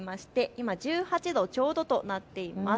今１８度ちょうどとなっています。